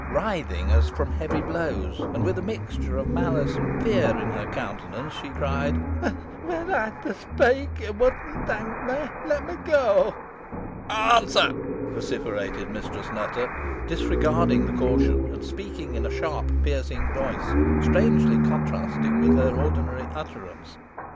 Writhing as from heavy blows, and with a mixture of malice and fear in her countenance, she cried, "Were I to speak, you would not thank me. Let me go." "Answer," vociferated Mistress Nutter, disregarding the caution, and speaking in a sharp piercing voice, strangely contrasting with her ordinary utterance.